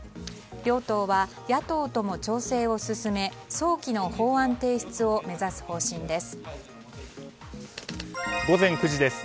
両党は野党とも調整を進め早期の法案提出を目指す方針です。